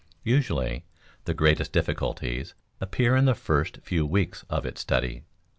Usually the greatest difficulties appear in the first few weeks of its study.